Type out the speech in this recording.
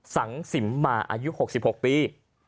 สังสิมมาอายุ๖๖ปี